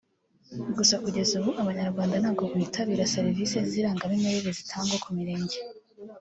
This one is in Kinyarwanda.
Gusa kugeza ubu Abanyarwanda ntabwo bitabira serivisi z’irangamimerere zitangwa ku mirenge